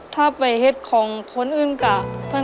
ถ้าอาจไปฆานาฮกับคนอื่นลูก